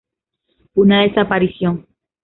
Una desaparición.